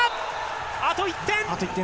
あと１点。